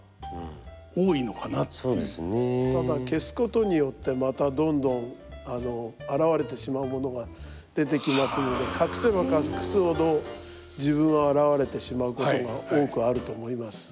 ただ消すことによってまたどんどんあらわれてしまうものが出てきますので隠せば隠すほど自分があらわれてしまうことが多くあると思います。